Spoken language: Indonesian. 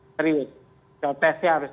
serius tesnya harus